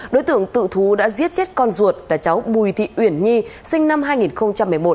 đối tượng tự thú đã giết chết con ruột là cháu bùi thị uyển nhi sinh năm hai nghìn một mươi một